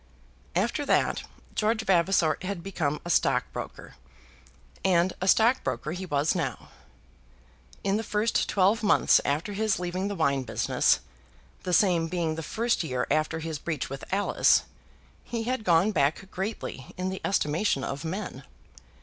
After that George Vavasor had become a stockbroker, and a stockbroker he was now. In the first twelve months after his leaving the wine business, the same being the first year after his breach with Alice, he had gone back greatly in the estimation of men.